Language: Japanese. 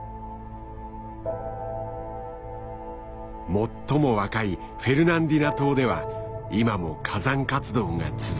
最も若いフェルナンディナ島では今も火山活動が続いている。